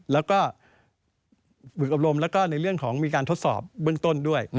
แล้วก็ฝึกอบรมแล้วก็ในเรื่องของมีการทดสอบเบื้องต้นด้วย